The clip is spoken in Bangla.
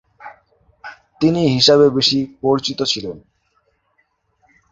তিনি হিসাবে বেশি পরিচিত ছিলেন।